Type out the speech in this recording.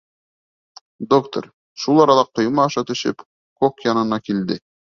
Доктор, шул арала ҡойма аша төшөп, кок янына килде.